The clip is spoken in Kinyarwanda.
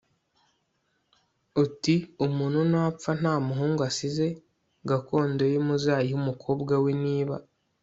uti umuntu napfa nta muhungu asize gakondo ye muzayihe umukobwa we Niba